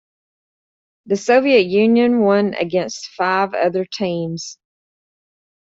The Soviet Union won against five other teams.